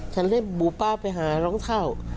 ฉันเลยหมูป้าไปหาร้องเท่า